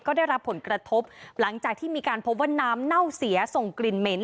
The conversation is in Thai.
ก็ได้รับผลกระทบหลังจากที่มีการพบว่าน้ำเน่าเสียส่งกลิ่นเหม็น